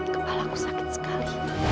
kepalaku sakit sekali